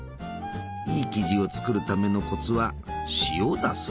いい生地を作るためのコツは塩だそうじゃ。